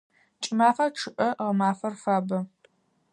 Кӏымафэм чъыӏэ, гъэмафэм фабэ.